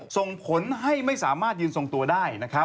ส่งผลให้ไม่สามารถยืนทรงตัวได้